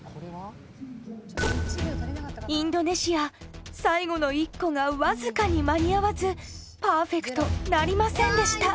インドネシア最後の１個がわずかに間に合わずパーフェクトなりませんでした。